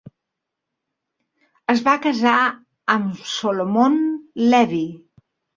Es va casar amb Solomon Levy.